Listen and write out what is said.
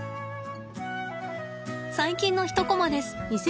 最近の一コマです。